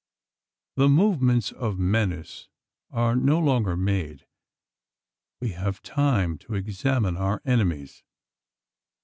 The movements of menace are no longer made. We have time to examine our enemies.